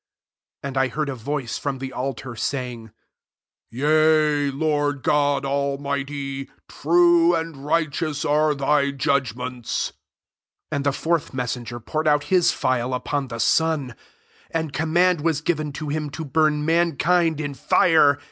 *' 7 And I heard a voice, from the altar, saying, "Yea, Lord God Almighty, true and righteous are thy judgpments," 8 And the fourth meaaenger poured out his phial upon the sun ; and command was given to him to burn mankind in fire.